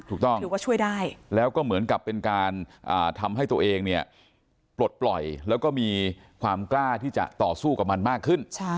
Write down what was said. ถูกต้องถือว่าช่วยได้แล้วก็เหมือนกับเป็นการทำให้ตัวเองเนี่ยปลดปล่อยแล้วก็มีความกล้าที่จะต่อสู้กับมันมากขึ้น